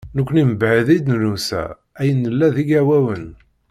Nekkni mebɛid i d-nusa, ay nella d igawawen.